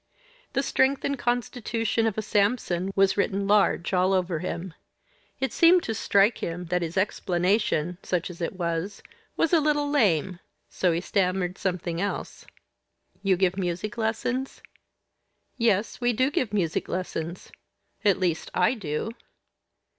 The strength and constitution of a Samson was written large all over him. It seemed to strike him that his explanation such as it was was a little lame, so he stammered something else. "You give music lessons?" "Yes, we do give music lessons at least, I do."